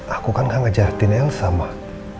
aku kan gak ngejahatin elsa mak